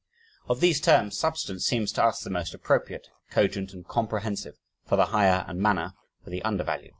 Of these terms "substance" seems to us the most appropriate, cogent, and comprehensive for the higher and "manner" for the under value.